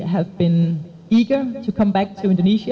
kami berharap kembali ke indonesia